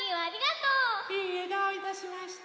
いいえどういたしまして。